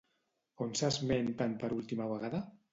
On s'esmenten per última vegada?